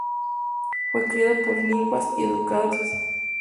Fue criada por ninfas y educada por las Musas.